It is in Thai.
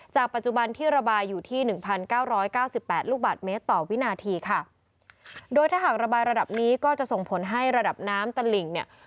ปัจจุบันที่ระบายอยู่ที่หนึ่งพันเก้าร้อยเก้าสิบแปดลูกบาทเมตรต่อวินาทีค่ะโดยถ้าหากระบายระดับนี้ก็จะส่งผลให้ระดับน้ำตลิ่งเนี่ย